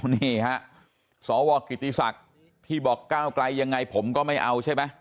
นี่ฮะสวกิติศักดิ์ที่บอกก้าวไกลยังไงผมก็ไม่เอาใช่ไหม